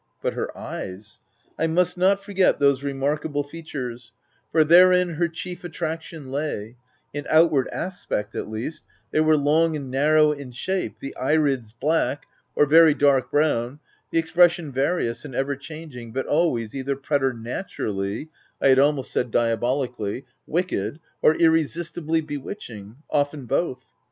But her eyes — I must not forget those remarkable features, for therein her chief attraction lay — in outward aspect at least ;— they were long and narrow in shape, the irids black, or very dark brown, the expression various, and ever changing, but always either preternaturally — I had almost said diaboliculhj OF WILDFELL HALL. 23 — wicked, or irresistibly bewitching — often both.